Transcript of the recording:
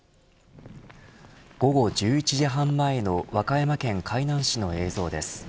午後１１時半前の和歌山県海南市の映像です。